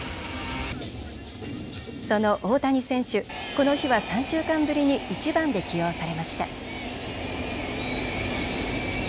その大谷選手、この日は３週間ぶりに１番で起用されました。